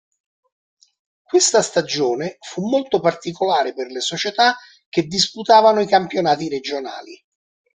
Questa stagione fu molto particolare per le società che disputavano i campionati regionali.